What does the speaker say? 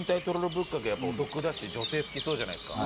ぶっかけはやっぱお得だし女性好きそうじゃないですか。